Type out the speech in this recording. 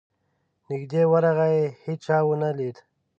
نیژدې ورغی هېچا ونه لید.